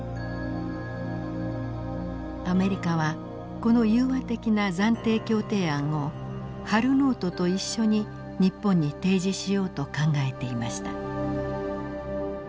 アメリカはこの融和的な暫定協定案をハル・ノートと一緒に日本に提示しようと考えていました。